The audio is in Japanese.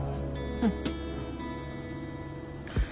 うん？